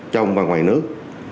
trong và ngoài nước